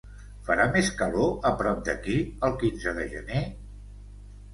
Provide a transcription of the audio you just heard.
Farà més calor a prop d'aquí el quinze de gener?